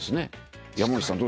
山内さん